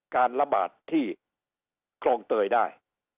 การระบาดที่คลองเตยได้